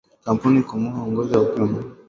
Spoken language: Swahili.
Kampuni kamoa inaongozwa na wa zungu